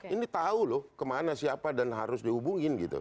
ini tahu loh kemana siapa dan harus dihubungin gitu